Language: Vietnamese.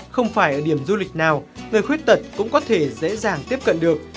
không phải ở điểm du lịch nào người khuyết tật cũng có thể dễ dàng tiếp cận được